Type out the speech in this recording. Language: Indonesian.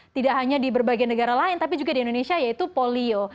tidak hanya di berbagai negara lain tapi juga di indonesia yaitu polio